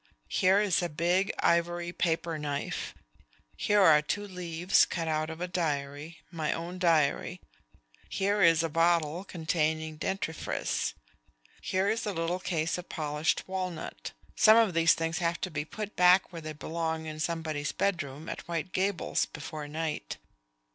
"Here is a big ivory paper knife; here are two leaves cut out of a diary my own diary; here is a bottle containing dentifrice; here is a little case of polished walnut. Some of these things have to be put back where they belong in somebody's bedroom at White Gables before night.